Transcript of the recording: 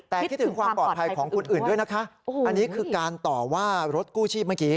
แต่คิดถึงความปลอดภัยของคนอื่นด้วยนะคะอันนี้คือการต่อว่ารถกู้ชีพเมื่อกี้